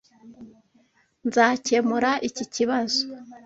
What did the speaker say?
Nzakemura iki kibazo.